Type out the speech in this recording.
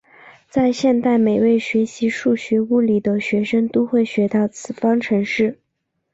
在现代每位学习数学物理的学生都会学到此方程式。